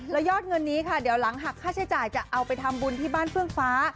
และยอดเงินนี้ค่ะเดี๋ยวหลังหักค่าใช้จ่ายจะเอาไปทำบุญที่บ้านเฟื่องฟ้า